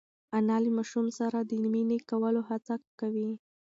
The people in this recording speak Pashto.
انا له ماشوم سره د مینې کولو هڅه کوي.